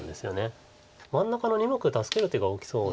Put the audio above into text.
真ん中の２目助ける手が大きそうな気がします。